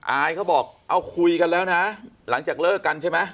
อายเขาบอกเอาคุยกันแล้วนะหลังจากเลิกกันใช่ไหม